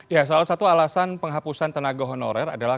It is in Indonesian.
ya salah satu alasan penghapusan tenaga honorer adalah